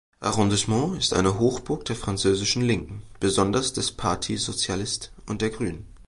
Arrondissement ist eine Hochburg der französischen Linken, besonders des Parti socialiste und der Grünen.